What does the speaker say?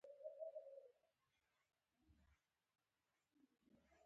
موږ به یې د زاړه ترننی له تکرار نه وروسته.